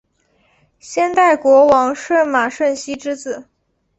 先代国王舜马顺熙之子。